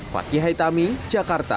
fakih haitami jakarta